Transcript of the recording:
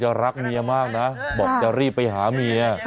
โอแห้กิ่งเรื่องมากนะจะรีบไปหาเมีย